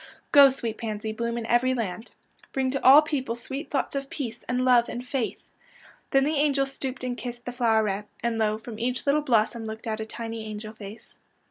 " Go, sweet pans}^, bloom in every land. Bring to all peojjle sweet thoughts of peace and love and faith." Then the angel stooped and kissed the floweret, and lo, from each little blossom looked out a tiny angel face.